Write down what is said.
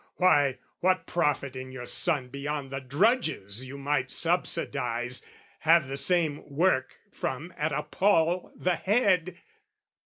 Why, what profit in your son Beyond the drudges you might subsidise, Have the same work from at a paul the head?